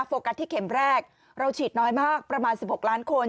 โฟกัสที่เข็มแรกเราฉีดน้อยมากประมาณ๑๖ล้านคน